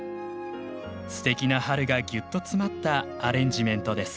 すてきな春がぎゅっと詰まったアレンジメントです。